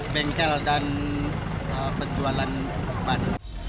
bengkel dan penjualan ban